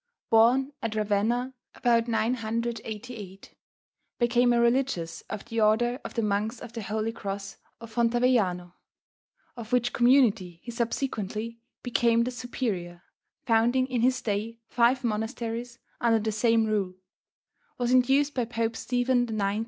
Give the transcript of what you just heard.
Born at Ravenna about 988; became a "religious" of the order of the Monks of the Holy Cross of Fontavellano, of which community he subsequently became the Superior, founding in his day five monasteries under the same rule; was induced by Pope Stephen IX.